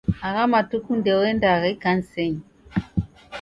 Agha matuku ndouendagha ikanisenyi.